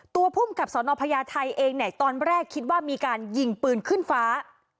ภูมิกับสนพญาไทยเองเนี่ยตอนแรกคิดว่ามีการยิงปืนขึ้นฟ้า